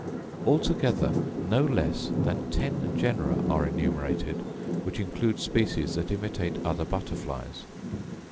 Altogether no less than ten genera are enumerated, which include species that imitate other butterflies.